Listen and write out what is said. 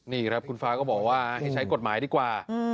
นี่ครับคุณฟ้าก็บอกว่าให้ใช้กฎหมายดีกว่า